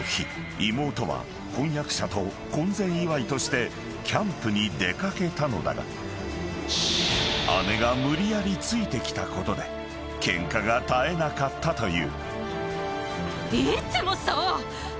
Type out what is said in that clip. ［妹は婚約者と婚前祝いとしてキャンプに出掛けたのだが姉が無理やりついてきたことでケンカが絶えなかったという］